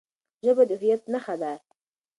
ژبه د هويت نښه ده.